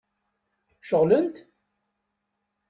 Ceɣlent?